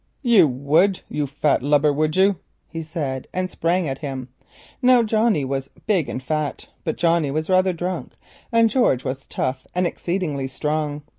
"You would, you lubber! would you?" he said, and sprang at him. Now Johnnie was big and fat, but Johnnie was rather drunk, and George was tough and exceedingly strong.